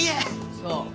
そう。